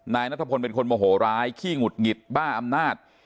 นายนัทพลเป็นคนโมโหร้ายขี้หงุดหงิดบ้าอำนาจ